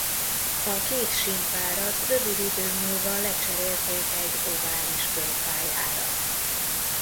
A két sínpárat rövid idő múlva lecserélték egy ovális körpályára.